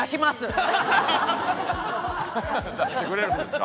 出してくれるんですか？